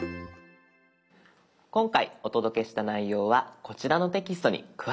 今回お届けした内容はこちらのテキストに詳しく載っています。